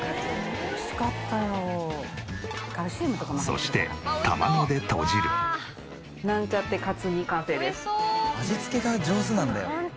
そして味付けが上手なんだよ。